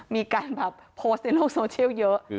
มีการแบบโพสต์ในโลกโซเชียลเยอะ